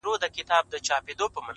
ما خو خپل زړه هغې ته وركړى ډالۍ،